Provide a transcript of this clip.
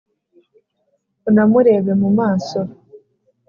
unamureba mu maso.